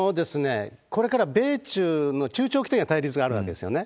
これから米中の中長期的な対立があるわけですよね。